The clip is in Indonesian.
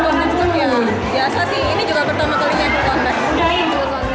prinsip ya biasa sih ini juga pertama kali nyetur konten